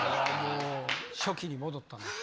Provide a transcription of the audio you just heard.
初期に戻った。